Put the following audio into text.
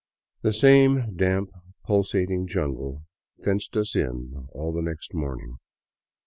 The same damp, pulsating jungle fenced us in all the next morning.